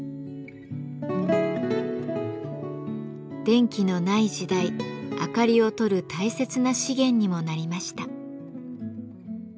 電気のない時代明かりを取る大切な資源にもなりました。